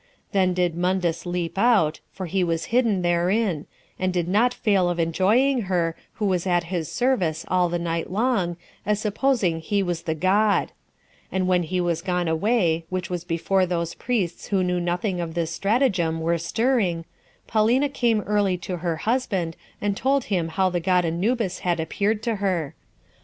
Then did Mundus leap out, [for he was hidden therein,] and did not fail of enjoying her, who was at his service all the night long, as supposing he was the god; and when he was gone away, which was before those priests who knew nothing of this stratagem were stirring, Paulina came early to her husband, and told him how the god Anubis had appeared to her.